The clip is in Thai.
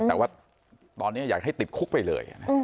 แต่ว่าตอนนี้อยากให้ติดคุกไปเลย